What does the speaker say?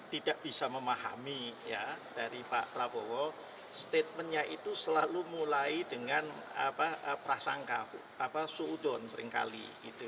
tidak bisa memahami dari pak prabowo statementnya itu selalu mulai dengan prasangka soudon seringkali